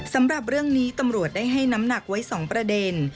สำหรับเรื่องนี้ตำรวจได้ให้น้ำหนักไว้๒ประเด็น